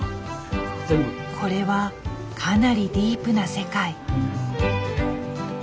これはかなりディープな世界。